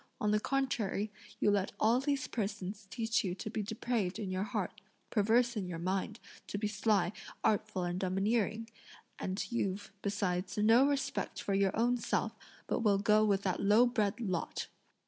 On the contrary, you let all these persons teach you to be depraved in your heart, perverse in your mind, to be sly, artful, and domineering; and you've, besides, no respect for your own self, but will go with that low bred lot!